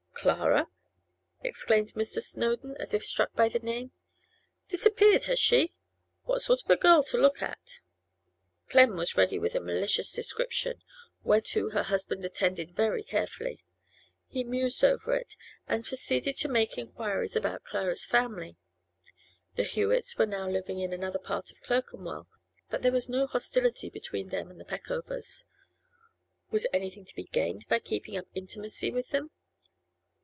'Clara?' exclaimed Mr. Snowdon, as if struck by the name. 'Disappeared, has she? What sort of a girl to look at?' Clem was ready with a malicious description, whereto her husband attended very carefully. He mused over it, and proceeded to make inquiries about Clara's family. The Hewetts were now living in another part of Clerkenwell, but there was no hostility between them and the Peckovers. Was anything to be gained by keeping up intimacy with them?